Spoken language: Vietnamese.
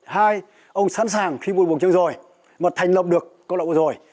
hai ông sẵn sàng khi mua cổng chiêng rồi mà thành lập được câu lạc bộ rồi